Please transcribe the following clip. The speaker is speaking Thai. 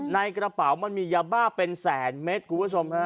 ในกระเป๋ามันมียาบ้าเป็นแสนเม็ดกูเข้าไปชมนะฮะ